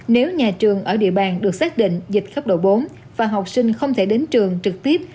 nếu nhà trường ở địa bàn được xác định dịch cấp độ bốn và học sinh không thể đến trường trực tiếp